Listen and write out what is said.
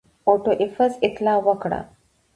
اوټو ایفز اطلاع ورکړه.